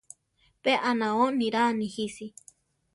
Pe anao niraa nijisi.